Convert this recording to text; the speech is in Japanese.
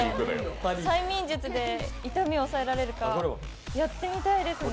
催眠術で痛みを抑えられるかやってみたいですね。